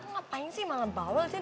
ngapain sih malam bawel sih